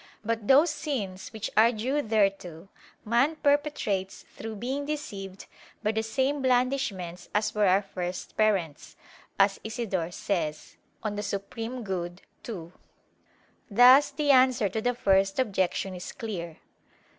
But those sins which are due thereto man perpetrates "through being deceived by the same blandishments as were our first parents," as Isidore says (De Summo Bono ii). Thus the answer to the first objection is clear.